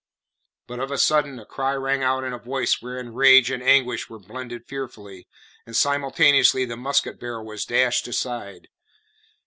But of a sudden a cry rang out in a voice wherein rage and anguish were blended fearfully, and simultaneously the musket barrel was dashed aside.